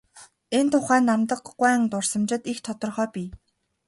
Энэ тухай Намдаг гуайн дурсамжид их тодорхой бий.